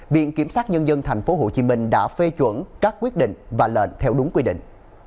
viện kiểm sát nhân dân tp hcm đã phê chuẩn các quyết định và lệnh theo đúng quy định